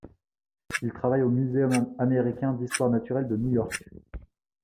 Il travaille au Muséum américain d'histoire naturelle de New York.